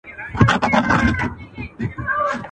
که ټول جهان طبيب سي، چاري واړه په نصيب سي.